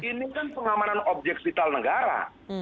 ini kan pengamanan objek vital negara